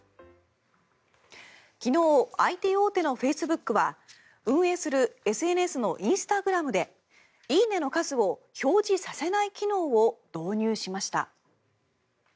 昨日、ＩＴ大手のフェイスブックは運営するＳＮＳのインスタグラムで「いいね」の数を表示させない機能を導入しました。